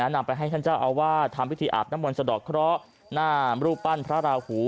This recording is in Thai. นำไปให้ท่านเจ้าอาวาสทำพิธีอาบน้ำมนต์สะดอกเคราะห์หน้ารูปปั้นพระราหู